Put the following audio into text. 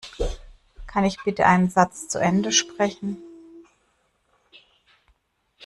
Kann ich bitte einen Satz zu Ende sprechen?